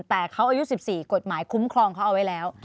แต่เขาอายุ๑๔กฎหมายคุ้มครองเขาเอาไว้แล้ว